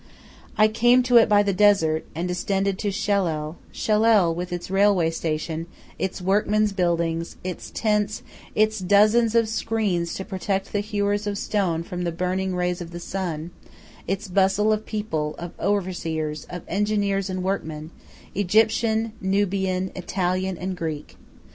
I came to it by the desert, and descended to Shellal Shellal with its railway station, its workmen's buildings, its tents, its dozens of screens to protect the hewers of stone from the burning rays of the sun, its bustle of people, of overseers, engineers, and workmen, Egyptian, Nubian, Italian, and Greek.